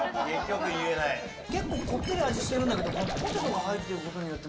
結構、こってりな味がしてるんだけどポテトが入ってることによって。